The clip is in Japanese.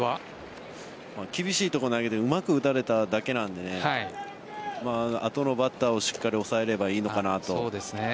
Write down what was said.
厳しいところを投げてうまく打たれただけなので後のバッターをしっかり抑えられればいいのかなと。